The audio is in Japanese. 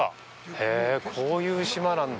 へえ、こういう島なんだ。